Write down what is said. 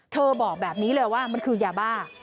บอกแบบนี้เลยว่ามันคือยาบ้า